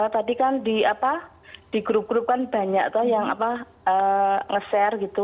tadi kan di grup grup kan banyak tuh yang nge share gitu